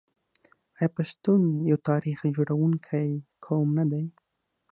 آیا پښتون یو تاریخ جوړونکی قوم نه دی؟